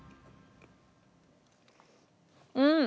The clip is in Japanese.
うん！